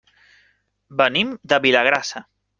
Venim de Vilagrassa.